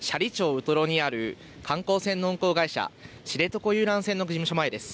ウトロにある観光船の運航会社、知床遊覧船の事務所前です。